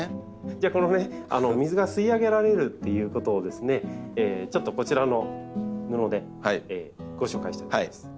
じゃあこの水が吸い上げられるっていうことをですねちょっとこちらの布でご紹介したいと思います。